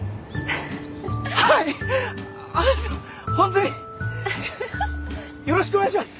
はいあのホントによろしくお願いします。